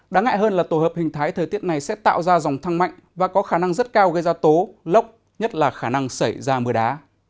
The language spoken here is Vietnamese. đáng ngại hơn là tổ hợp hình thái thời tiết này sẽ tạo ra dòng thăng mạnh và có khả năng rất cao gây ra tố lốc nhất là khả năng xảy ra mưa đá